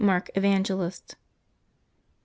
MARK, Evangelist. [T.